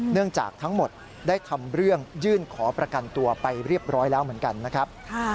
เนื่องจากทั้งหมดได้ทำเรื่องยื่นขอประกันตัวไปเรียบร้อยแล้วเหมือนกันนะครับ